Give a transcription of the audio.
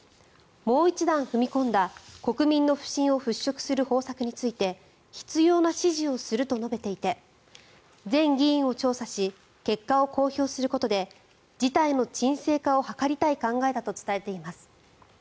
もう一段踏み込んだ国民の不信を払しょくする方策について必要な指示をすると述べていて全議員を調査し結果を公表することで事態の鎮静化を図りたい考えだと伝えています。